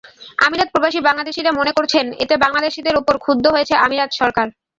আমিরাত প্রবাসী বাংলাদেশিরা মনে করছেন, এতে বাংলাদেশিদের ওপর ক্ষুব্ধ হয়েছে আমিরাত সরকার।